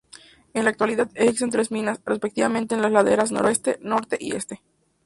En la actualidad existen tres minas: respectivamente en las laderas noroeste, norte y este.